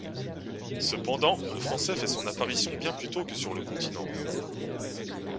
Cependant, le français fait son apparition bien plus tôt que sur le continent.